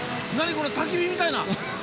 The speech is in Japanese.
これたき火みたいな。